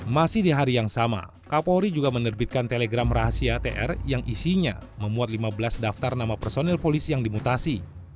masih di hari yang sama kapolri juga menerbitkan telegram rahasia tr yang isinya memuat lima belas daftar nama personil polisi yang dimutasi